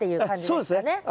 あっそうですね。